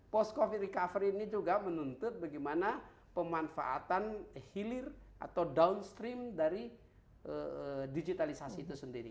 post covid recover ini juga menuntut bagaimana pemanfaatan hilir atau downstream dari digitalisasi itu sendiri